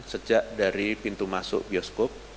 sejak dari pintu masuk bioskop